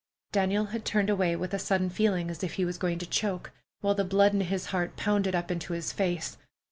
Daniel had turned away with a sudden feeling as if he was going to choke, while the blood in his heart pounded up into his face.